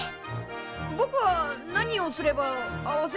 ぼくは何をすれば合わせる力が。